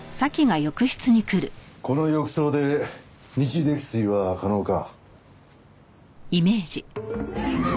この浴槽で二次溺水は可能か？